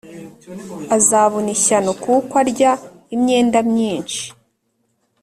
Azabona ishyano kuko arya imyenda myinshi